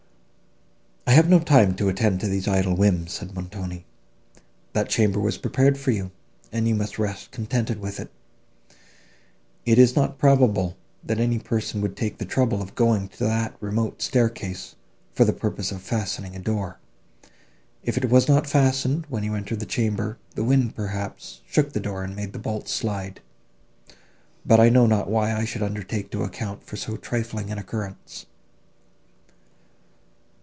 "I have no time to attend to these idle whims," said Montoni, "that chamber was prepared for you, and you must rest contented with it. It is not probable, that any person would take the trouble of going to that remote staircase, for the purpose of fastening a door. If it was not fastened, when you entered the chamber, the wind, perhaps, shook the door and made the bolts slide. But I know not why I should undertake to account for so trifling an occurrence."